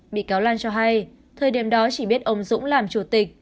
bị cáo lan cho hay thời điểm đó chỉ biết ông dũng làm chủ tịch